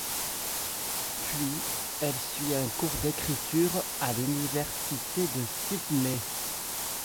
Puis, elle suit un cours d'écriture à l'université de Sydney.